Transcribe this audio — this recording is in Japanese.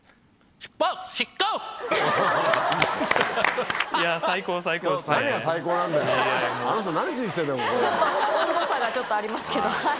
ちょっと温度差がちょっとありますけどはい。